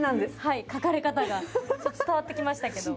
書かれ方が伝わってきましたけど。